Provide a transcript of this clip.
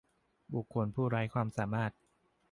บุคคลผู้ไร้ความสามารถ